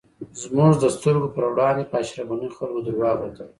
زموږ د سترږو وړاندی په اشرف غنی خلکو درواغ وتړل